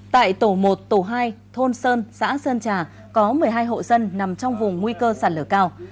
tại tổ một tổ hai thôn sơn xã sơn trà có một mươi hai hộ sân nằm trong vùng nguy cơ sản lửa cao